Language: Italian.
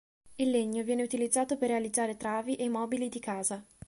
Il legno viene utilizzato per realizzare travi e mobili di casa.